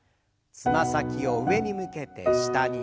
つま先を上に向けて下に。